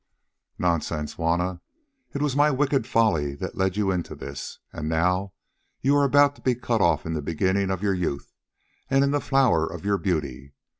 "Nonsense, Juanna, it was my wicked folly that led you into this, and now you are about to be cut off in the beginning of your youth and in the flower of your beauty.